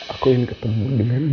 aku ingin ketemu dengan dia